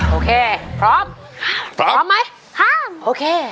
โอเคพร้อมพร้อมไหมพร้อมโอเค